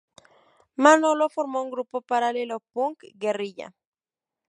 Manolo formó un grupo paralelo, Punk Guerrilla.